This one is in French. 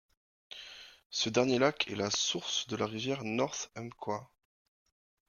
Ce dernier lac est la source de la rivière North Umpqua.